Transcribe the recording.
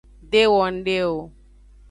De wo ngde o.